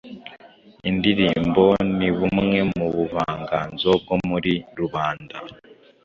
Indirimbo ni bumwe mu buvanganzo bwo muri rubanda.